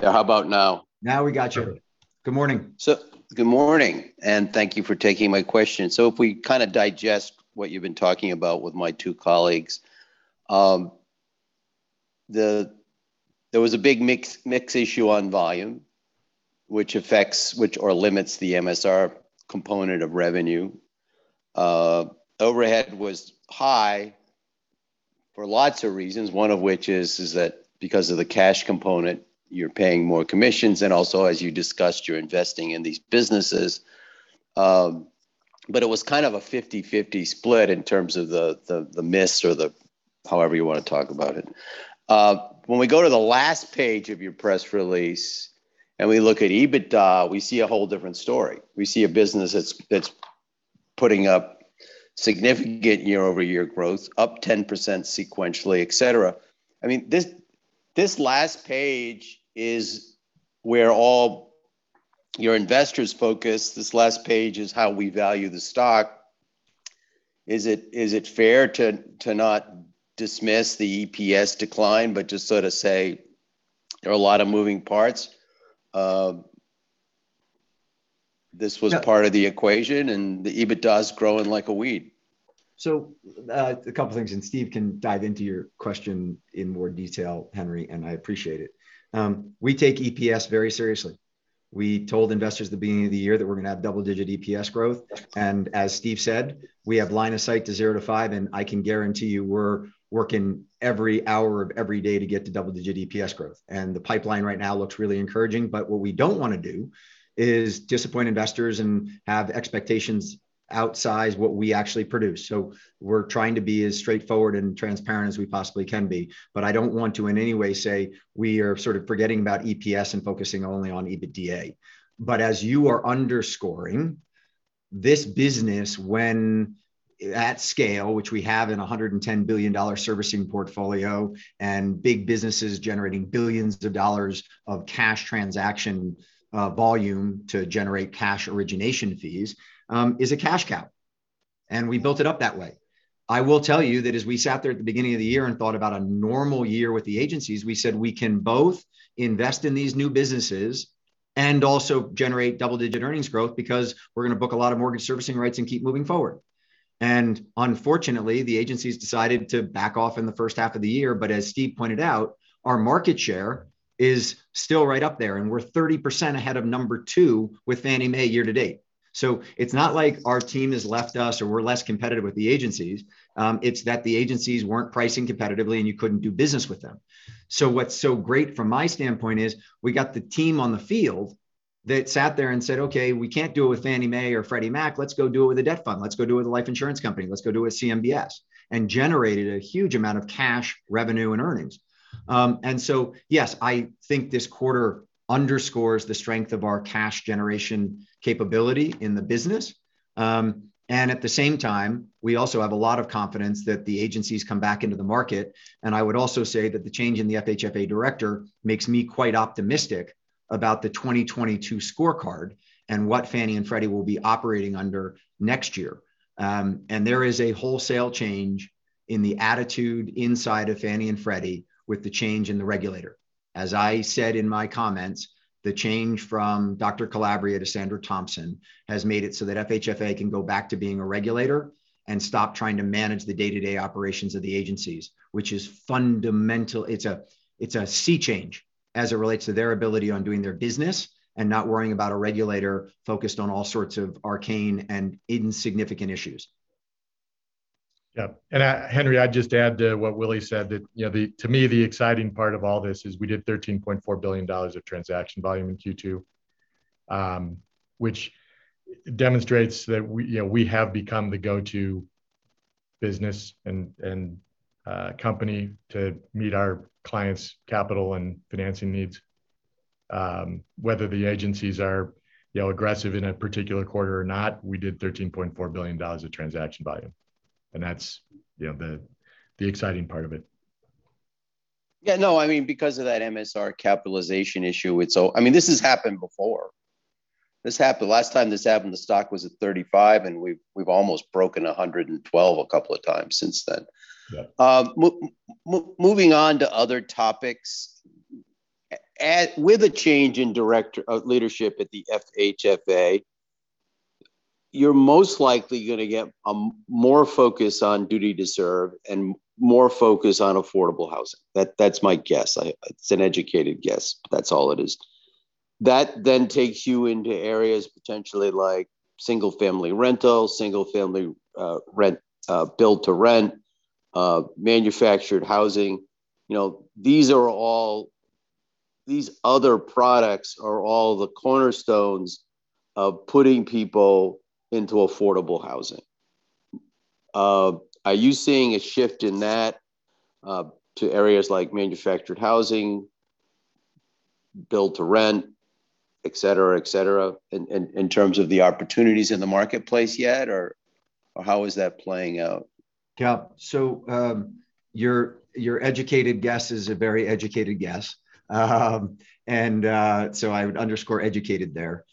How about now?
Now we got you. Good morning.
Good morning, thank you for taking my question. If we kind of digest what you've been talking about with my two colleagues, there was a big mix issue on volume, which affects or limits the MSR component of revenue. Overhead was high for lots of reasons, one of which is that because of the cash component, you're paying more commissions, and also as you discussed, you're investing in these businesses. It was kind of a 50/50 split in terms of the miss or however you want to talk about it. When we go to the last page of your press release and we look at EBITDA, we see a whole different story. We see a business that's putting up significant year-over-year growth, up 10% sequentially, et cetera. This last page is where all your investors focus. This last page is how we value the stock. Is it fair to not dismiss the EPS decline but just sort of say there are a lot of moving parts? This was part of the equation and the EBITDA's growing like a weed.
A couple things, and Steve can dive into your question in more detail, Henry, and I appreciate it. We take EPS very seriously. We told investors at the beginning of the year that we're going to have double-digit EPS growth. As Steve said, we have line of sight to 0-5, and I can guarantee you we're working every hour of every day to get to double-digit EPS growth. The pipeline right now looks really encouraging, but what we don't want to do is disappoint investors and have expectations outsize what we actually produce. We're trying to be as straightforward and transparent as we possibly can be. I don't want to in any way say we are sort of forgetting about EPS and focusing only on EBITDA. As you are underscoring. This business when at scale, which we have in $110 billion servicing portfolio, and big businesses generating billions of dollars of cash transaction volume to generate cash origination fees, is a cash cow, and we built it up that way. I will tell you that as we sat there at the beginning of the year and thought about a normal year with the agencies, we said we can both invest in these new businesses and also generate double-digit earnings growth because we're going to book a lot of mortgage servicing rights and keep moving forward. Unfortunately, the agencies decided to back off in the H1 of the year, but as Steve pointed out, our market share is still right up there, and we're 30% ahead of number two with Fannie Mae year to date. It's not like our team has left us or we're less competitive with the agencies. It's that the agencies weren't pricing competitively and you couldn't do business with them. What's so great from my standpoint is we got the team on the field that sat there and said, "Okay, we can't do it with Fannie Mae or Freddie Mac. Let's go do it with a debt fund. Let's go do it with a life insurance company. Let's go do it with CMBS," and generated a huge amount of cash, revenue, and earnings. Yes, I think this quarter underscores the strength of our cash generation capability in the business. At the same time, we also have a lot of confidence that the agencies come back into the market. I would also say that the change in the FHFA director makes me quite optimistic about the 2022 scorecard and what Fannie and Freddie will be operating under next year. There is a wholesale change in the attitude inside of Fannie and Freddie with the change in the regulator. As I said in my comments, the change from Mark Calabria to Sandra L. Thompson has made it so that FHFA can go back to being a regulator and stop trying to manage the day-to-day operations of the agencies, which is fundamental. It's a sea change as it relates to their ability on doing their business and not worrying about a regulator focused on all sorts of arcane and insignificant issues.
Yeah. Henry, I'd just add to what Willy said that to me, the exciting part of all this is we did $13.4 billion of transaction volume in Q2, which demonstrates that we have become the go-to business and company to meet our clients' capital and financing needs. Whether the agencies are aggressive in a particular quarter or not, we did $13.4 billion of transaction volume. That's the exciting part of it.
Yeah, no, because of that MSR capitalization issue, this has happened before. The last time this happened, the stock was at $35, we've almost broken $112 a couple of times since then.
Yeah.
Moving on to other topics, with a change in leadership at the FHFA, you're most likely going to get more focus on duty to serve and more focus on affordable housing. That's my guess. It's an educated guess. That's all it is. That then takes you into areas potentially like single-family rental, single-family build to rent, manufactured housing. These other products are all the cornerstones of putting people into affordable housing. Are you seeing a shift in that to areas like manufactured housing, build to rent, et cetera, in terms of the opportunities in the marketplace yet, or how is that playing out?
Yeah. Your educated guess is a very educated guess. I would underscore educated there.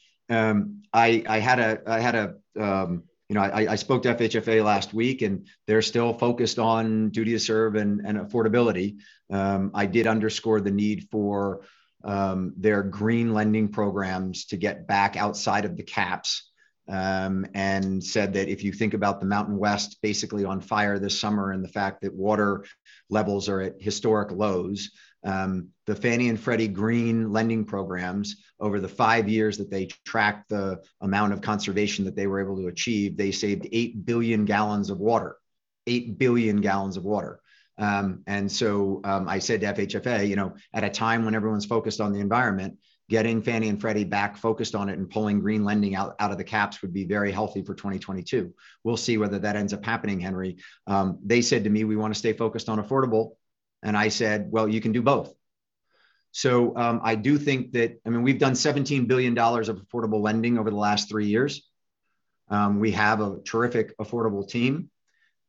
I spoke to FHFA last week, and they're still focused on duty to serve and affordability. I did underscore the need for their green lending programs to get back outside of the caps, and said that if you think about the Mountain West basically on fire this summer, and the fact that water levels are at historic lows, the Fannie and Freddie green lending programs over the five years that they tracked the amount of conservation that they were able to achieve, they saved 8 billion gal of water. 8 billion gal of water. I said to FHFA, at a time when everyone's focused on the environment, getting Fannie and Freddie back focused on it and pulling green lending out of the caps would be very healthy for 2022. We'll see whether that ends up happening, Henry. They said to me, "We want to stay focused on affordable," and I said, "Well, you can do both." I do think that we've done $17 billion of affordable lending over the last three years. We have a terrific affordable team.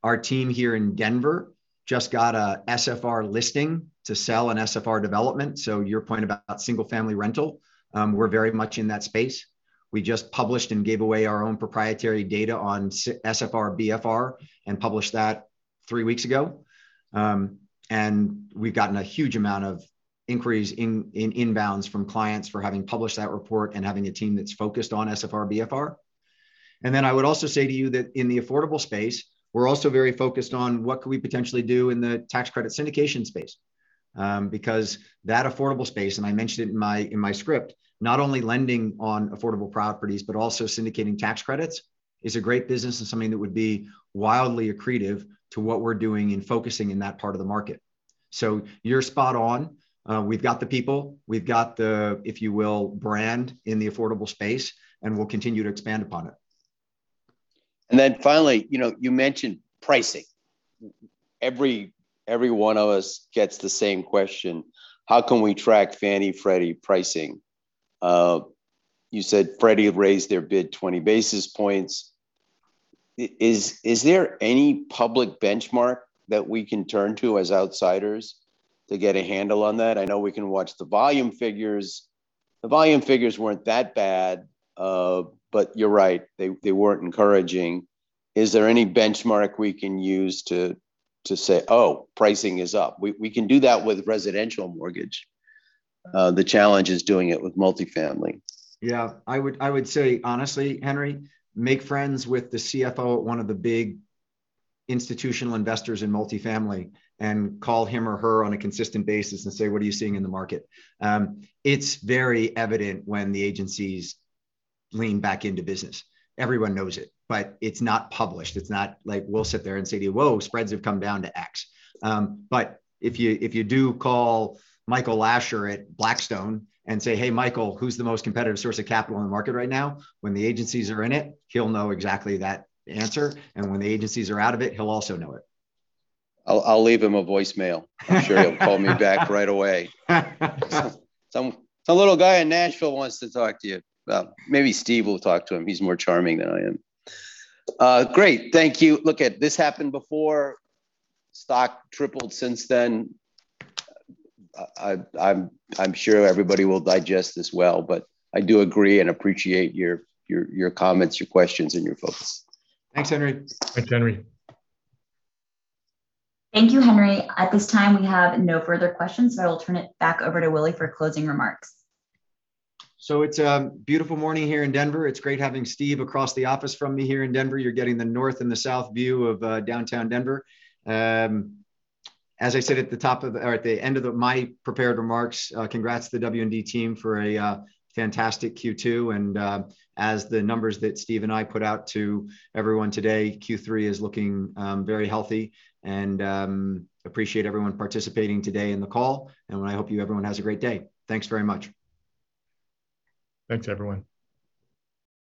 Our team here in Denver just got a SFR listing to sell an SFR development. Your point about single-family rental, we're very much in that space. We just published and gave away our own proprietary data on SFR/BFR and published that three weeks ago. We've gotten a huge amount of inquiries in inbounds from clients for having published that report and having a team that's focused on SFR/BFR. I would also say to you that in the affordable space, we're also very focused on what could we potentially do in the tax credit syndication space. That affordable space, and I mentioned it in my script, not only lending on affordable properties, but also syndicating tax credits is a great business and something that would be wildly accretive to what we're doing and focusing in that part of the market. You're spot on. We've got the people, we've got the, if you will, brand in the affordable space, and we'll continue to expand upon it.
Finally, you mentioned pricing. Every one of us gets the same question: how can we track Fannie/Freddie pricing? You said Freddie raised their bid 20 basis points. Is there any public benchmark that we can turn to as outsiders to get a handle on that? I know we can watch the volume figures. The volume figures weren't that bad, but you're right, they weren't encouraging. Is there any benchmark we can use to say, "Oh, pricing is up?" We can do that with residential mortgage. The challenge is doing it with multifamily.
I would say, honestly, Henry, make friends with the CFO at one of the big institutional investors in multifamily, and call him or her on a consistent basis and say, "What are you seeing in the market?" It's very evident when the agencies lean back into business. Everyone knows it's not published. It's not like we'll sit there and say to you, "Whoa, spreads have come down to X." If you do call Michael Lascher at Blackstone and say, "Hey, Michael, who's the most competitive source of capital in the market right now?" When the agencies are in it, he'll know exactly that answer, and when the agencies are out of it, he'll also know it.
I'll leave him a voicemail. I'm sure he'll call me back right away. Some little guy in Nashville wants to talk to you. Well, maybe Steve will talk to him. He's more charming than I am. Great. Thank you. This happened before. Stock tripled since then. I'm sure everybody will digest this well, but I do agree and appreciate your comments, your questions, and your focus.
Thanks, Henry.
Thanks, Henry.
Thank you, Henry. At this time, we have no further questions, so I will turn it back over to Willy for closing remarks.
It's a beautiful morning here in Denver. It's great having Steve across the office from me here in Denver. You're getting the north and the south view of downtown Denver. As I said at the end of my prepared remarks, congrats to the W&D team for a fantastic Q2, as the numbers that Steve and I put out to everyone today, Q3 is looking very healthy. Appreciate everyone participating today in the call, and I hope everyone has a great day. Thanks very much.
Thanks, everyone.